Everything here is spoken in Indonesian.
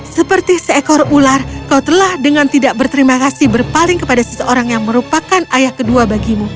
seperti seekor ular kau telah dengan tidak berterima kasih berpaling kepada seseorang yang merupakan ayah kedua bagimu